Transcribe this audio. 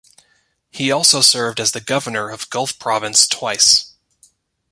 He also served as the governor of Gulf Province twice.